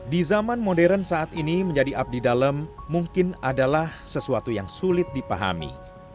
di zaman modern saat ini menjadi abdi dalam mungkin adalah sesuatu yang sulit dipahami